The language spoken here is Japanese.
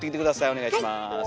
お願いします。